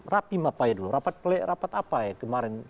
rapim apa ya dulu rapat apa ya kemarin